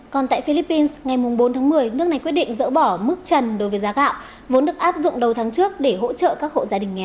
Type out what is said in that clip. còn tại philippines ngày bốn tháng một mươi nước này quyết định dỡ bỏ mức trần đối với giá gạo vốn được áp dụng đầu tháng trước để hỗ trợ các hộ gia đình nghèo